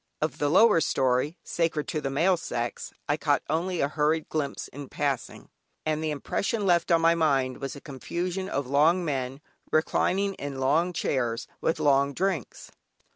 Of the lower story, sacred to the male sex, I caught only a hurried glimpse in passing, and the impression left on my mind was a confusion of long men, reclining in long chairs, with long drinks.